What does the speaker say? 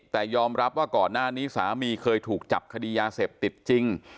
แต่ยอมรับว่าก่อนหน้านี้สามีเคยถูกจับคดียาเสพติดจริง